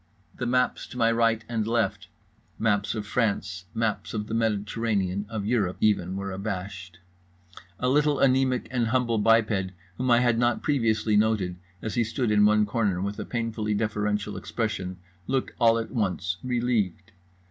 The maps to my right and left, maps of France, maps of the Mediterranean, of Europe, even, were abashed. A little anaemic and humble biped whom I had not previously noted, as he stood in one corner with a painfully deferential expression, looked all at once relieved.